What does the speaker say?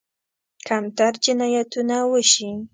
کمتر جنایتونه وشي.